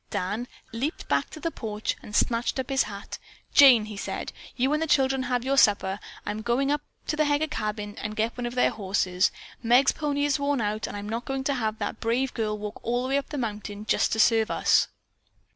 Dan leaped back to the porch and snatched up his hat. "Jane," he said, "you and the children have your supper. I'm going up to the Heger cabin and get one of their horses. Meg's pony is worn out, and I'm not going to have that brave girl walk all the way up the mountain, just to serve us."